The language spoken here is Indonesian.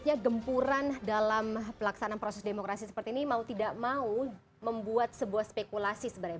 artinya gempuran dalam pelaksanaan proses demokrasi seperti ini mau tidak mau membuat sebuah spekulasi sebenarnya